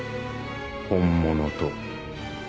本物と。